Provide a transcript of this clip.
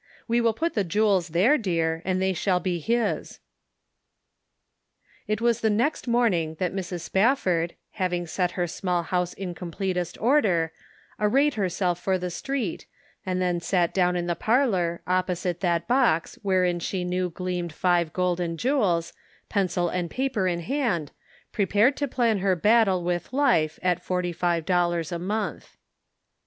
We will put the jewels, there, dear, and they shall be his." It was the next morning that Mrs. Spafford, having set her small house in completest order, arrayed herself for the street, and then sat down in the parlor, opposite that box wherein she knew gleamed five golden jewels, pencil and paper in hand, prepared to plan her battle with life at forty five dollars a mouth.